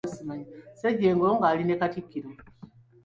Ssejjengo ng'ali ne Katikkiro.